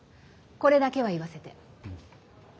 これだけは言わせて。